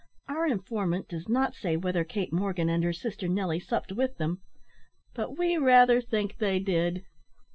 Our informant does not say whether Kate Morgan and her sister Nelly supped with them but we rather think they did.